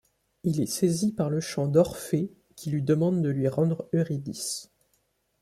Il est saisi par le chant d'Orphée, qui lui demande de lui rendre Euridice.